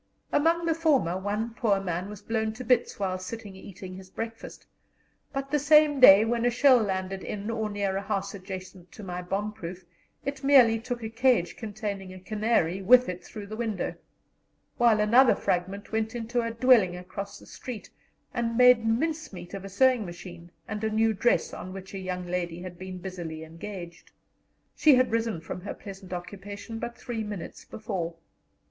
Among the former, one poor man was blown to bits while sitting eating his breakfast; but the same day, when a shell landed in or near a house adjacent to my bomb proof, it merely took a cage containing a canary with it through the window, while another fragment went into a dwelling across the street, and made mince meat of a sewing machine and a new dress on which a young lady had been busily engaged. She had risen from her pleasant occupation but three minutes before.